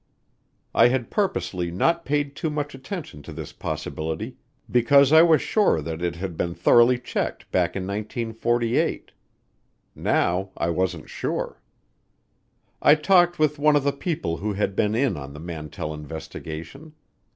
I had purposely not paid too much attention to this possibility because I was sure that it had been thoroughly checked back in 1948. Now I wasn't sure. I talked with one of the people who had been in on the Mantell investigation.